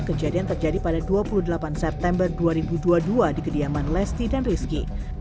kejadian terjadi pada dua puluh delapan september dua ribu dua puluh dua di kediaman lesti dan rizky